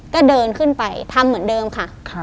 ก็เดินขึ้นไปทำเหมือนเดิมค่ะ